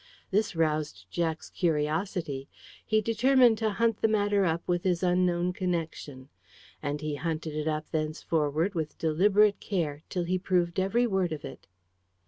This roused Jack's curiosity. He determined to hunt the matter up with his unknown connection. And he hunted it up thenceforward with deliberate care, till he proved every word of it.